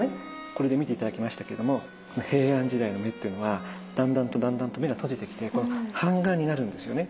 これで見て頂きましたけれども平安時代の目っていうのはだんだんとだんだんと目が閉じてきて半眼になるんですよね。